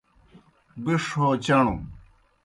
بِݜ ہو چݨوْ